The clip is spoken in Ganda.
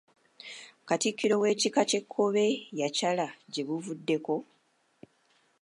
Katikkiro w’ekika ky’ekkobe yakyala gye buvuddeko?